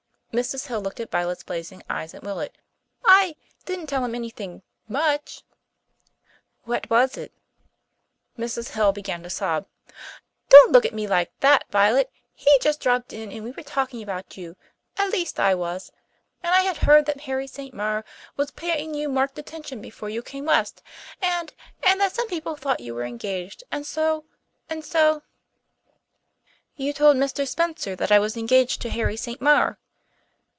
Mrs. Hill looked at Violet's blazing eyes and wilted. "I didn't tell him anything much." "What was it?" Mrs. Hill began to sob. "Don't look at me like that, Violet! He just dropped in and we were talking about you at least I was and I had heard that Harry St. Maur was paying you marked attention before you came west and and that some people thought you were engaged and so and so " "You told Mr. Spencer that I was engaged to Harry St. Maur?"